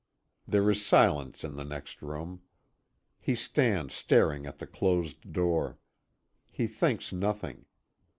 There is silence in the next room. He stands staring at the closed door. He thinks nothing.